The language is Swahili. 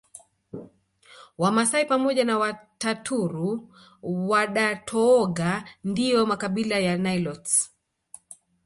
Wamasai pamoja na Wataturu Wadatooga ndio makabila ya Nilotes